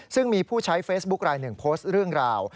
ซึ่งมีผู้ใช้เฟซบุ๊คลายหนึ่งโพสต์เรื่องราว